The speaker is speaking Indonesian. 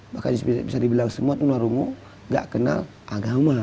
bahkan bisa dibilang semua tunarungu tidak mengenal agama